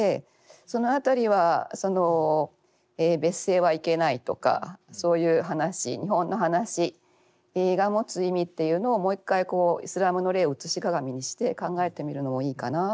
その辺りは別姓はいけないとかそういう話日本の話が持つ意味っていうのをもう一回イスラムの例を写し鏡にして考えてみるのもいいかなって思いました。